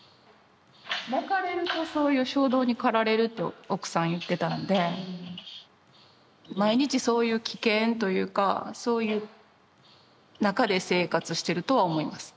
泣かれるとそういう衝動に駆られると奥さん言ってたんで毎日そういう危険というかそういう中で生活してるとは思います。